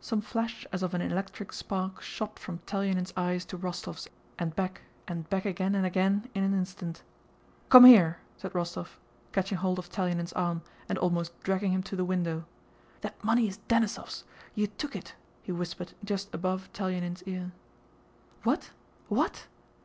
Some flash as of an electric spark shot from Telyánin's eyes to Rostóv's and back, and back again and again in an instant. "Come here," said Rostóv, catching hold of Telyánin's arm and almost dragging him to the window. "That money is Denísov's; you took it..." he whispered just above Telyánin's ear. "What? What?